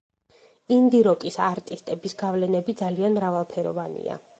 ინდი-როკის არტისტების გავლენები ძალიან მრავალფეროვანია.